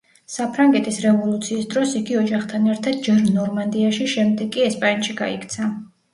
საფრანგეთის რევოლუციის დროს იგი ოჯახთან ერთად ჯერ ნორმანდიაში, შემდეგ კი ესპანეთში გაიქცა.